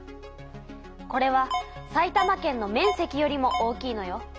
これは埼玉県の面積よりも大きいのよ。